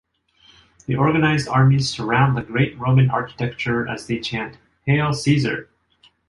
The organized armies surround the great Roman architecture as they chant, Hail Caesar!